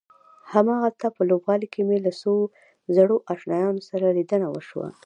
هماغلته په لوبغالي کې مې له څو زړو آشنایانو سره لیدنه وشوه.